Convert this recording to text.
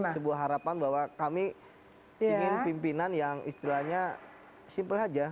sebuah harapan bahwa kami ingin pimpinan yang istilahnya simpel saja